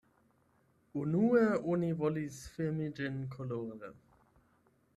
Unue oni volis filmi ĝin kolore.